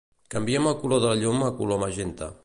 Canvia'm el color de la llum a color magenta.